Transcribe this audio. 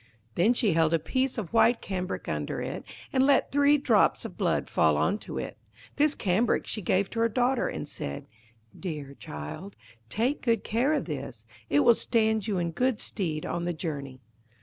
Then she held a piece of white cambric under it, and let three drops of blood fall on to it. This cambric she gave to her daughter, and said, 'Dear child, take good care of this; it will stand you in good stead on the journey.'